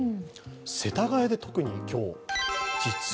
世田谷で特に今日。